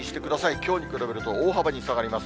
きょうに比べると大幅に下がります。